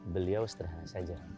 beliau sederhana saja